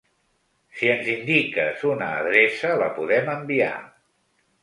Si ens indiques una adreça la podem enviar.